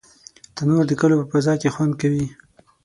تنور د کلیو په فضا کې خوند کوي